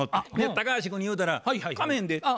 高橋君に言うたらかまへんで。